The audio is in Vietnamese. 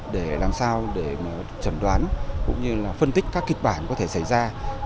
để làm sao để trần đoán cũng như là phân tích các kịch bản có thể xảy ra